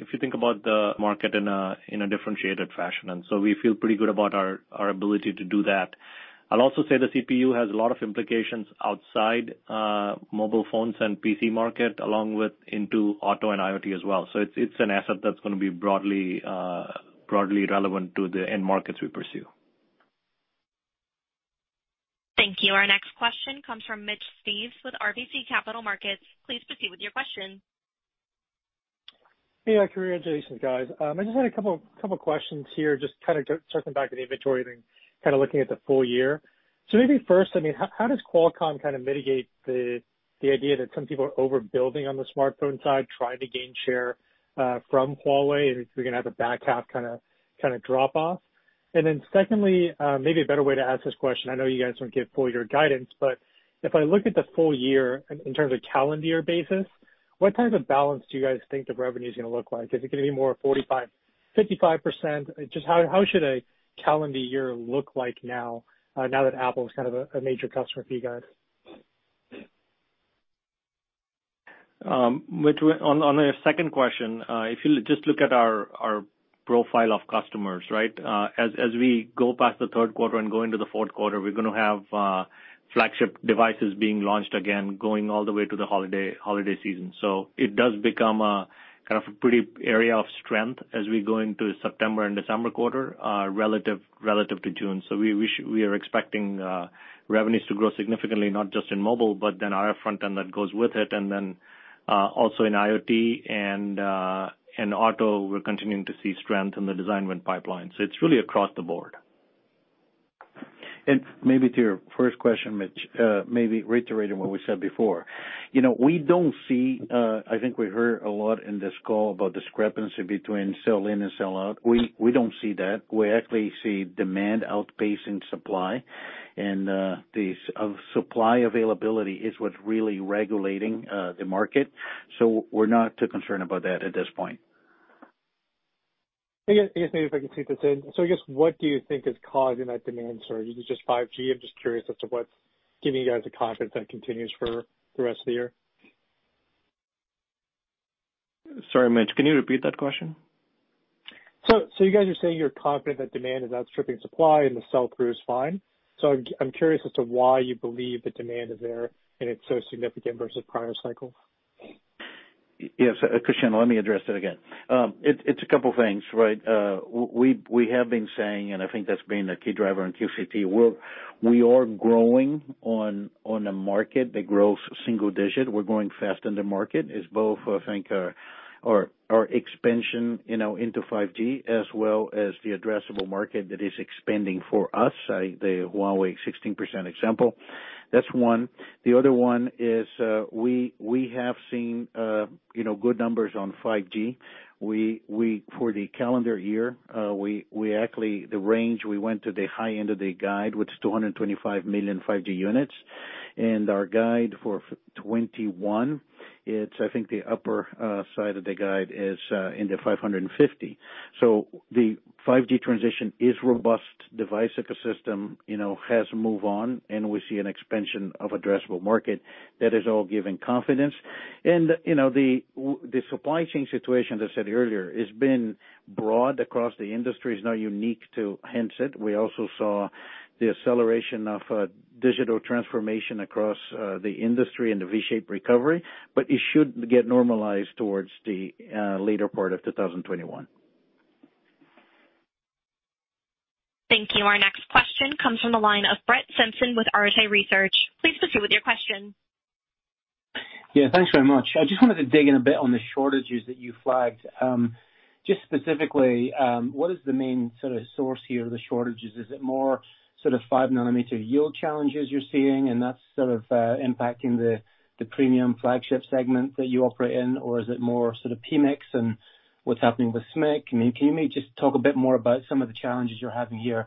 Speaker 4: if you think about the market in a differentiated fashion, we feel pretty good about our ability to do that. I'll also say the CPU has a lot of implications outside mobile phones and PC market along with into auto and IoT as well. It's an asset that's going to be broadly relevant to the end markets we pursue.
Speaker 1: Thank you. Our next question comes from Mitch Steves with RBC Capital Markets. Please proceed with your question.
Speaker 15: Yeah. Hi. Congratulations, guys. I just had a couple of questions here, just kind of circling back to the inventory thing, kind of looking at the full year. Maybe first, how does Qualcomm mitigate the idea that some people are overbuilding on the smartphone side trying to gain share from Huawei, and we're going to have the back half drop off? Secondly, maybe a better way to ask this question, I know you guys don't give full year guidance, but if I look at the full year in terms of calendar year basis, what type of balance do you guys think the revenue's going to look like? Is it going to be more of 45%-55%? Just how should a calendar year look like now that Apple is a major customer for you guys?
Speaker 4: Mitch, on your second question, if you just look at our profile of customers. We go past the third quarter and go into the fourth quarter, we're going to have flagship devices being launched again, going all the way to the holiday season. It does become a pretty area of strength as we go into September and December quarter, relative to June. We are expecting revenues to grow significantly, not just in mobile, but then RF front-end that goes with it, and then also in IoT and in auto, we're continuing to see strength in the design win pipeline. It's really across the board.
Speaker 8: Maybe to your first question, Mitch, maybe reiterating what we said before. I think we heard a lot in this call about discrepancy between sell in and sell out. We don't see that. We actually see demand outpacing supply, and the supply availability is what's really regulating the market. We're not too concerned about that at this point.
Speaker 15: I guess maybe if I can sneak this in. I guess what do you think is causing that demand surge? Is it just 5G? I'm just curious as to what's giving you guys the confidence that continues for the rest of the year.
Speaker 4: Sorry, Mitch, can you repeat that question?
Speaker 15: You guys are saying you're confident that demand is outstripping supply and the sell-through is fine. I'm curious as to why you believe the demand is there and it's so significant versus prior cycles.
Speaker 8: Yes. It's Cristiano, let me address that again. It's a couple things. We have been saying, and I think that's been a key driver in QCT, we are growing on a market that grows single digit. We're growing fast in the market. It's both, I think, our expansion into 5G as well as the addressable market that is expanding for us, the Huawei 16% example. That's one. The other one is we have seen good numbers on 5G. For the calendar year, the range we went to the high end of the guide, which is 225 million 5G units, and our guide for 2021, I think the upper side of the guide is in the 550. The 5G transition is robust. Device ecosystem has moved on, and we see an expansion of addressable market that is all giving confidence. The supply chain situation, as I said earlier, has been broad across the industry. It's not unique to handset. We also saw the acceleration of digital transformation across the industry and the V-shaped recovery. It should get normalized towards the later part of 2021.
Speaker 1: Thank you. Our next question comes from the line of Brett Simpson with Arete Research. Please proceed with your question.
Speaker 16: Yeah, thanks very much. I just wanted to dig in a bit on the shortages that you flagged. Just specifically, what is the main source here of the shortages? Is it more five-nanometer yield challenges you're seeing, and that's impacting the premium flagship segment that you operate in? Is it more PMICs and what's happening with SMIC? Can you maybe just talk a bit more about some of the challenges you're having here?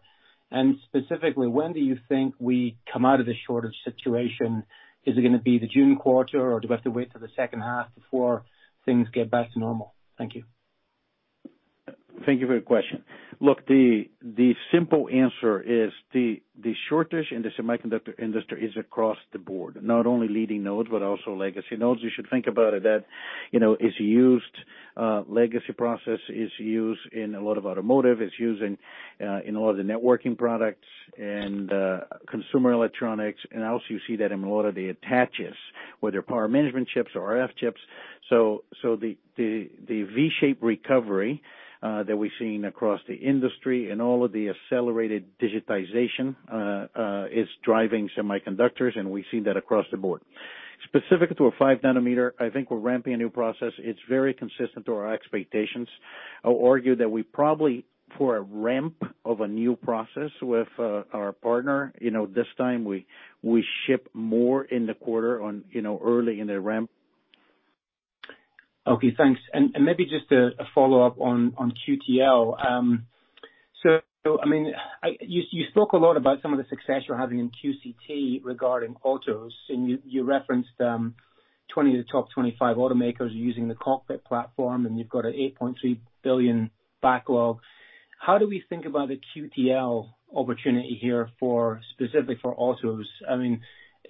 Speaker 16: Specifically, when do you think we come out of this shortage situation? Is it going to be the June quarter, or do we have to wait till the second half before things get back to normal? Thank you.
Speaker 8: Thank you for your question. Look, the simple answer is the shortage in the semiconductor industry is across the board, not only leading nodes, but also legacy nodes. You should think about it that legacy process is used in a lot of automotive, it's used in a lot of the networking products and consumer electronics. Also, you see that in a lot of the attaches, whether power management chips or RF chips. The V-shape recovery that we're seeing across the industry and all of the accelerated digitization is driving semiconductors, and we see that across the board. Specific to a five-nanometer, I think we're ramping a new process. It's very consistent to our expectations. I'll argue that we probably, for a ramp of a new process with our partner, this time we ship more in the quarter early in the ramp.
Speaker 16: Okay, thanks. Maybe just a follow-up on QTL. You spoke a lot about some of the success you're having in QCT regarding autos, and you referenced 20 of the top 25 automakers are using the cockpit platform, and you've got an $8.3 billion backlog. How do we think about the QTL opportunity here specifically for autos?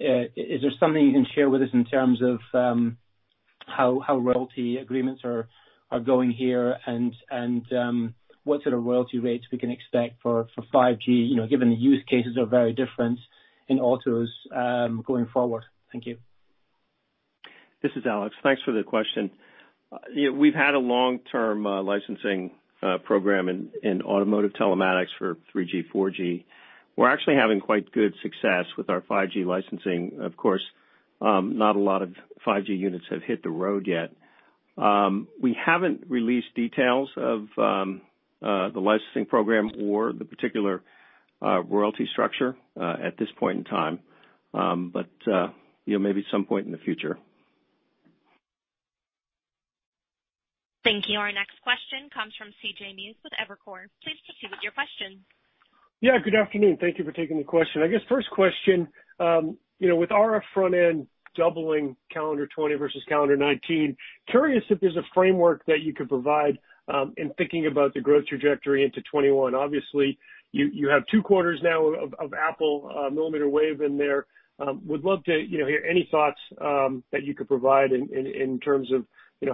Speaker 16: Is there something you can share with us in terms of how royalty agreements are going here and what sort of royalty rates we can expect for 5G, given the use cases are very different in autos going forward? Thank you.
Speaker 17: This is Alex. Thanks for the question. We've had a long-term licensing program in automotive telematics for 3G, 4G. We're actually having quite good success with our 5G licensing. Of course, not a lot of 5G units have hit the road yet. We haven't released details of the licensing program or the particular royalty structure at this point in time. Maybe at some point in the future.
Speaker 1: Thank you. Our next question comes from CJ Muse with Evercore. Please proceed with your question.
Speaker 18: Yeah, good afternoon. Thank you for taking the question. I guess first question, with RF front-end doubling calendar 2020 versus calendar 2019, curious if there's a framework that you could provide in thinking about the growth trajectory into 2021. Obviously, you have two quarters now of Apple millimeter wave in there. Would love to hear any thoughts that you could provide in terms of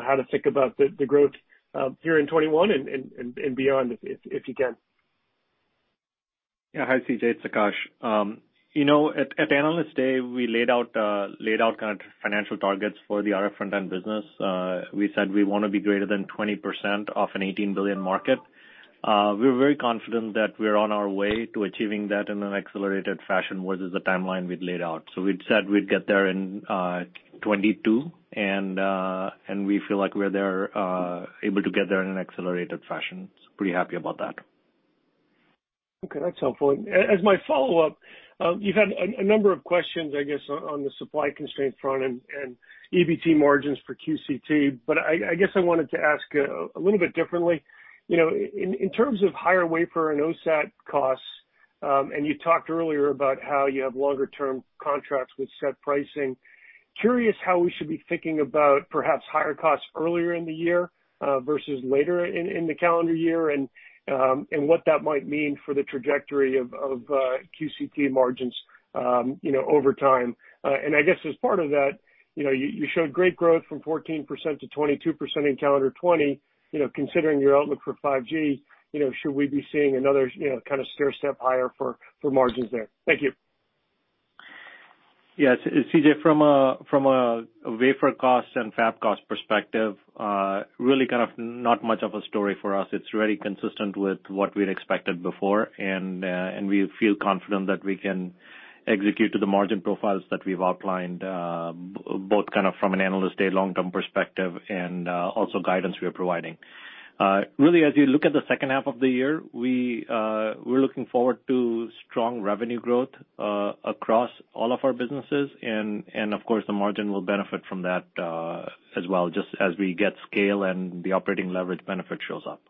Speaker 18: how to think about the growth here in 2021 and beyond, if you can.
Speaker 4: Hi, CJ. It's Akash. At Analyst Day, we laid out financial targets for the RF front-end business. We said we want to be greater than 20% of an $18 billion market. We're very confident that we're on our way to achieving that in an accelerated fashion versus the timeline we'd laid out. We'd said we'd get there in 2022, and we feel like we're able to get there in an accelerated fashion. Pretty happy about that.
Speaker 18: Okay, that's helpful. As my follow-up, you've had a number of questions, I guess, on the supply constraint front and EBT margins for QCT. I guess I wanted to ask a little bit differently. In terms of higher wafer and OSAT costs, you talked earlier about how you have longer-term contracts with set pricing, curious how we should be thinking about perhaps higher costs earlier in the year versus later in the calendar year. What that might mean for the trajectory of QCT margins over time. I guess as part of that, you showed great growth from 14% to 22% in calendar 2020. Considering your outlook for 5G, should we be seeing another kind of stair step higher for margins there? Thank you.
Speaker 4: Yes, CJ, from a wafer cost and fab cost perspective, really kind of not much of a story for us. It's really consistent with what we'd expected before, and we feel confident that we can execute to the margin profiles that we've outlined, both from an Analyst Day long-term perspective and also guidance we are providing. Really, as you look at the second half of the year, we're looking forward to strong revenue growth across all of our businesses, and of course, the margin will benefit from that as well, just as we get scale and the operating leverage benefit shows up.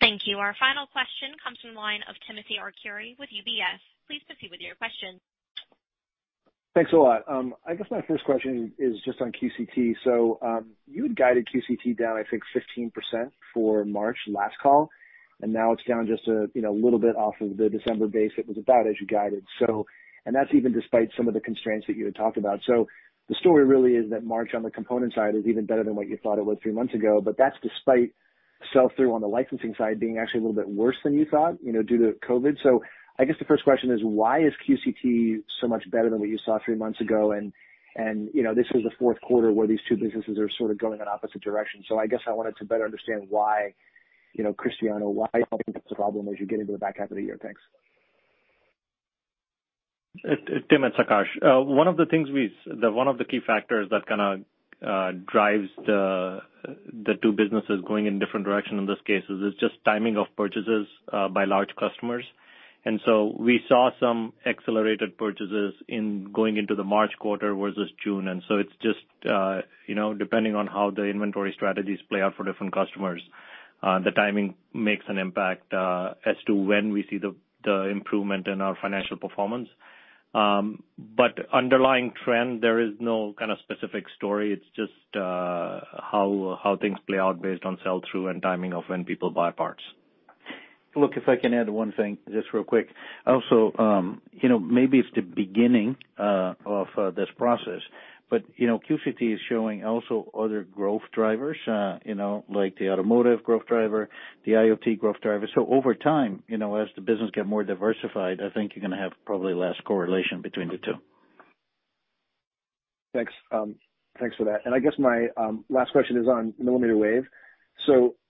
Speaker 1: Thank you. Our final question comes from the line of Timothy Arcuri with UBS. Please proceed with your question.
Speaker 19: Thanks a lot. I guess my first question is just on QCT. You had guided QCT down, I think 15% for March last call, and now it's down just a little bit off of the December base it was about, as you guided. That's even despite some of the constraints that you had talked about. The story really is that March on the component side is even better than what you thought it was three months ago, but that's despite sell-through on the licensing side being actually a little bit worse than you thought due to COVID. I guess the first question is, why is QCT so much better than what you saw three months ago? This was a fourth quarter where these two businesses are sort of going in opposite directions. I guess I wanted to better understand why, Cristiano, why you think that's a problem as you get into the back half of the year. Thanks.
Speaker 4: Tim, it's Akash. One of the key factors that kind of drives the two businesses going in different directions in this case is just timing of purchases by large customers. We saw some accelerated purchases going into the March quarter versus June, it's just depending on how the inventory strategies play out for different customers. The timing makes an impact as to when we see the improvement in our financial performance. Underlying trend, there is no kind of specific story. It's just how things play out based on sell-through and timing of when people buy parts.
Speaker 8: Look, if I can add one thing, just real quick. Maybe it's the beginning of this process, but QCT is showing also other growth drivers, like the automotive growth driver, the IoT growth driver. Over time, as the business get more diversified, I think you're going to have probably less correlation between the two.
Speaker 19: Thanks for that. I guess my last question is on millimeter wave.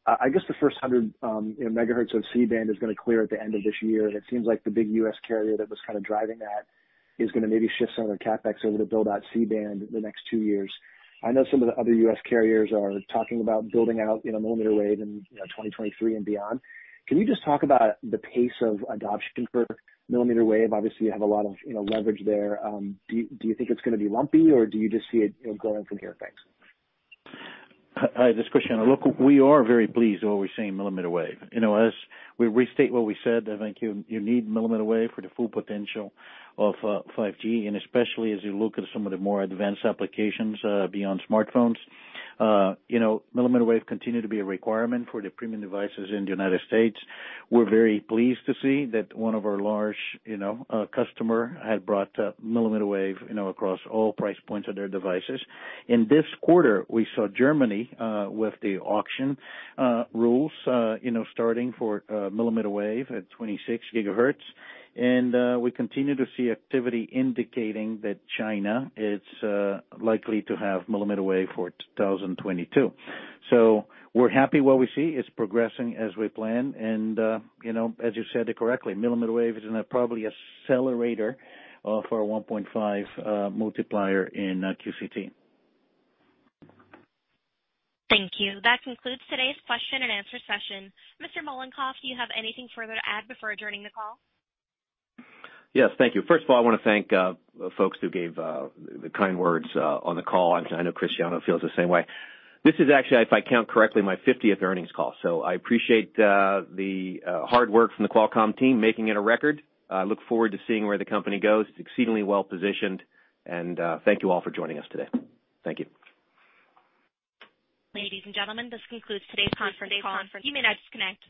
Speaker 19: I guess the first 100 MHz of C-band is going to clear at the end of this year, and it seems like the big U.S. carrier that was kind of driving that is going to maybe shift some of their CapEx over to build out C-band in the next two years. I know some of the other U.S. carriers are talking about building out millimeter wave in 2023 and beyond. Can you just talk about the pace of adoption for millimeter wave? Obviously, you have a lot of leverage there. Do you think it's going to be lumpy, or do you just see it growing from here? Thanks.
Speaker 8: This is Cristiano. Look, we are very pleased with what we see in millimeter wave. As we restate what we said, I think you need millimeter wave for the full potential of 5G, and especially as you look at some of the more advanced applications beyond smartphones. Millimeter wave continue to be a requirement for the premium devices in the United States. We're very pleased to see that one of our large customer has brought millimeter wave across all price points of their devices. In this quarter, we saw Germany with the auction rules starting for millimeter wave at 26 GHz, and we continue to see activity indicating that China is likely to have millimeter wave for 2022. We're happy what we see. It's progressing as we plan, and as you said it correctly, millimeter wave is probably accelerator for a 1.5 multiplier in QCT.
Speaker 1: Thank you. That concludes today's question-and-answer session. Mr. Mollenkopf, do you have anything further to add before adjourning the call?
Speaker 3: Yes. Thank you. First of all, I want to thank folks who gave the kind words on the call. I know Cristiano feels the same way. This is actually, if I count correctly, my 50th earnings call, so I appreciate the hard work from the Qualcomm team making it a record. I look forward to seeing where the company goes. It's exceedingly well-positioned, and thank you all for joining us today. Thank you.
Speaker 1: Ladies and gentlemen, this concludes today's conference call. You may disconnect.